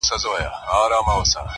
o له حیا له حُسنه جوړه ترانه یې,